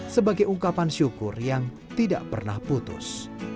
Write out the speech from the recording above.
sebagai ungkapan syukur yang tidak pernah putus